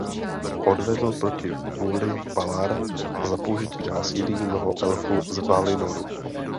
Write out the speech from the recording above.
Odvedl proti vůli Valar a za použití násilí mnoho elfů z Valinoru.